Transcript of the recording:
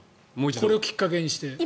これをきっかけにして。